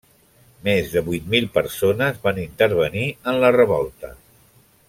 Més de vuit mil persones van intervenir en la revolta.